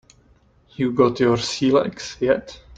You got your sea legs yet?